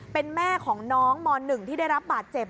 เป็นแม่ของน้องม๑ที่ได้รับบาดเจ็บ